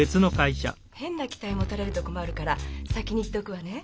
変な期待持たれると困るから先に言っとくわね。